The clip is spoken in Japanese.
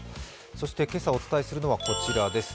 そして今朝お伝えするのは、こちらです。